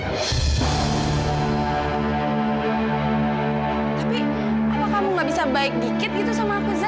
tapi kalau kamu gak bisa baik dikit gitu sama aku sih